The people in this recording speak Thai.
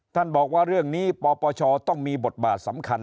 ท่านบอกว่าเรื่องนี้ปปชต้องมีบทบาทสำคัญ